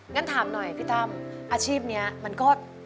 งั้นถามหน่อยพี่ตั้มอาชีพนี้มันก็